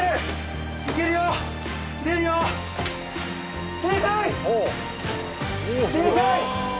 いけるよ出るよデカい！